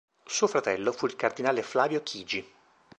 Suo fratello fu il cardinale Flavio Chigi.